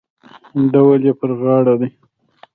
ډول یې پر غاړه دی.